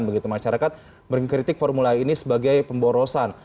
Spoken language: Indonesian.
begitu masyarakat mengkritik formula e ini sebagai pemborosan